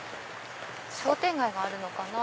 商店街があるのかな？